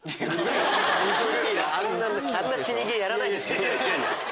あんな死にゲーやらないでしょ。